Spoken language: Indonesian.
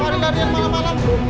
luarin dari yang mana mana